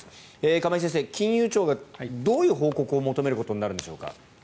亀井先生、金融庁がどういう報告を求めることになるんでしょうか？